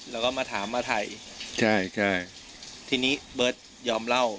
แล้วก็มาถามมาถ่ายใช่ใช่ทีนี้เบิร์ตยอมเล่า